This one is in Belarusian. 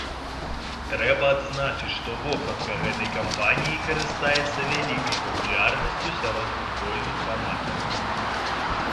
Трэба адзначыць, што вопратка гэтай кампаніі карыстаецца вялікай папулярнасцю сярод футбольных фанатаў.